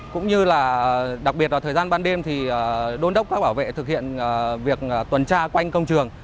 cũng như là đặc biệt là thời gian ban đêm thì đôn đốc các bảo vệ thực hiện việc tuần tra quanh công trường